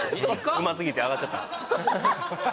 うますぎて上がっちゃった？